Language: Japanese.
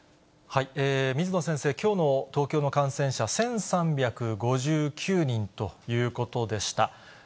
水野先生、きょうの東京の感染者１３５９人ということでした。